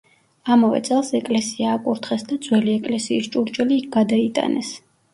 ამავე წელს ეკლესია აკურთხეს და ძველი ეკლესიის ჭურჭელი იქ გადაიტანეს.